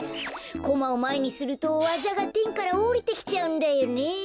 コマをまえにするとわざがてんからおりてきちゃうんだよね。